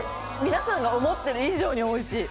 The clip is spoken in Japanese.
皆さんが思っている以上においしい。